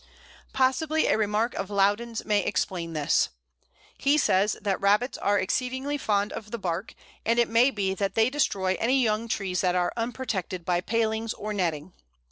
Possibly a remark of Loudon's may explain this. He says that rabbits are exceedingly fond of the bark, and it may be that they destroy any young trees that are unprotected by palings or netting.